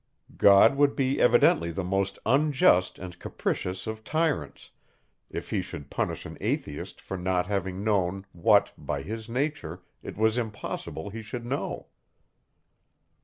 God would be evidently the most unjust and capricious of tyrants, if he should punish an Atheist for not having known, what, by his nature, it was impossible he should know.